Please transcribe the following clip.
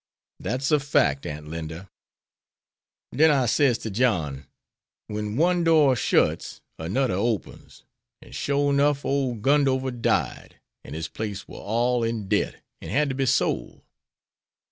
"That's a fact, Aunt Linda." "Den I sez ter John, 'wen one door shuts anoder opens.' An' shore 'nough, ole Gundover died, an' his place war all in debt, an' had to be sole.